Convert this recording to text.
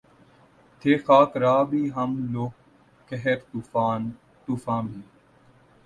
تھے خاک راہ بھی ہم لوگ قہر طوفاں بھی